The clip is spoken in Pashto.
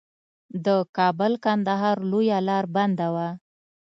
د کابل کندهار لویه لار بنده وه.